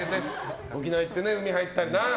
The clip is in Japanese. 沖縄行って海入ったりな。